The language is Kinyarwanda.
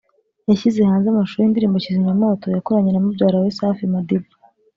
yashyize hanze amashusho y’indirimbo ‘Kizimyamwoto’ yakoranye na mubyara we Safi Madiba